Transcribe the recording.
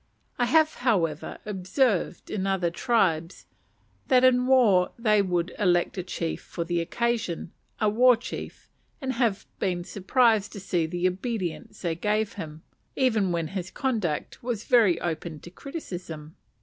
I have, however, observed in other tribes, that in war they would elect a chief for the occasion, a war chief, and have been surprised to see the obedience they gave him, even when his conduct was very open to criticism.